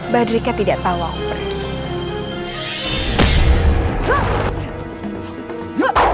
badrika tidak tahu aku pergi